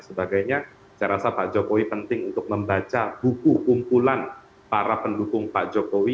sebagainya saya rasa pak jokowi penting untuk membaca buku kumpulan para pendukung pak jokowi